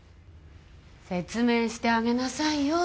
説明してあげなさいよ